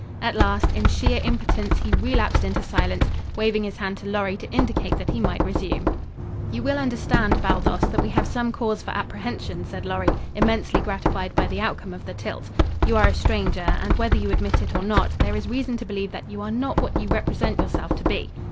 At last, in sheer impotence, he relapsed into silence, waving his hand to Lorry to indicate that he might resume. "You will understand, Baldos, that we have some cause for apprehension," said Lorry, immensely gratified by the outcome of the tilt. "You are a stranger; and, whether you admit it or not, there is reason to believe that you are not what you represent yourself to be."